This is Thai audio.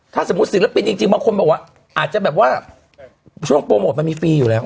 ถ้าสมมุติศิลปินจริงบางคนบอกว่าอาจจะแบบว่าช่วงโปรโมทมันมีฟรีอยู่แล้ว